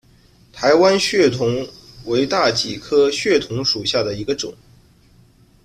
台湾血桐为大戟科血桐属下的一个种。